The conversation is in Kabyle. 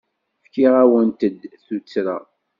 Fkiɣ-awent-d tuttra.